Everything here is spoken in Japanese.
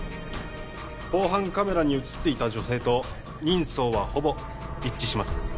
防犯カメラに写っていた女性と人相はほぼ一致します